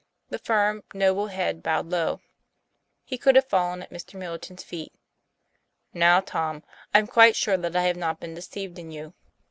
The firm, noble head bowed low. He could have fallen at Mr. Middleton's feet. "Now, Tom, I'm quite sure that I have not been deceived in you.